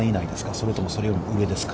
それとも、それよりも上ですか。